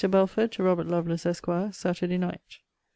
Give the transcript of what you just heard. BELFORD, TO ROBERT LOVELACE, ESQ. SAT. NIGHT.